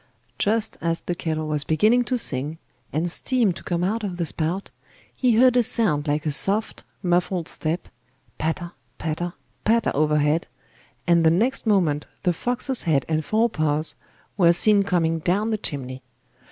Just as the kettle was beginning to sing, and steam to come out of the spout, he heard a sound like a soft, muffled step, patter, patter, patter overhead, and the next moment the fox's head and fore paws were seen coming down the chimney.